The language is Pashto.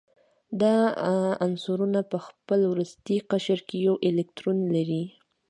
دا عنصرونه په خپل وروستي قشر کې یو الکترون لري.